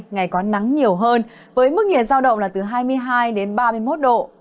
ngày có nắng nhiều hơn với mức nhiệt giao động là từ hai mươi hai đến ba mươi một độ